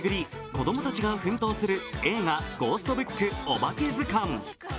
子供たちが奮闘する映画「ゴーストブックおばけずかん」。